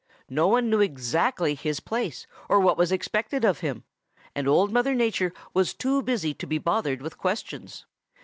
No one knew exactly his place or what was expected of him, and Old Mother Nature was too busy to be bothered with questions.